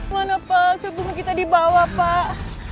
mana pak subuh kita di bawah pak